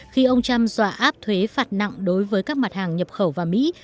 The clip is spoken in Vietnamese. khi ông trump dọa áp thuế phạt nặng đối với các mặt hàng nhập khẩu vào mỹ